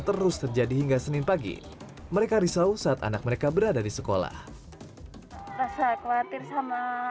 terus terjadi hingga senin pagi mereka risau saat anak mereka berada di sekolah rasa khawatir sama